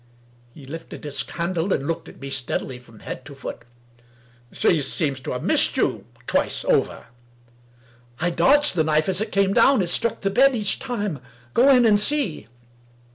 He lifted his candle, and looked at me steadily from head to foot. " She seems to have missed you — ^twice over." " I dodged the knife as it came down. It struck the bed each time. Go in, and see."